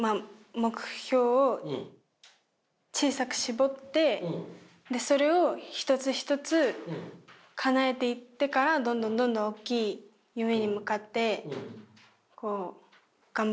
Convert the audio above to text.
目標を小さく絞ってそれを一つ一つかなえていってからどんどんどんどんおっきい夢に向かって頑張っていきたいなって。